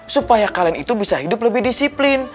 supaya kalian itu bisa hidup lebih disiplin